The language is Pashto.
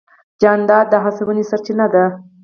جانداد د هڅونې سرچینه دی.